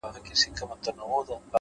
ستا د بنگړو مست شرنگهار وچاته څه وركوي;